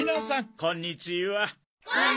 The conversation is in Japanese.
こんにちは！